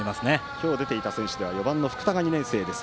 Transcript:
今日出ていた選手では４番の福田が２年生です。